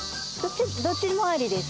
どっちもありです。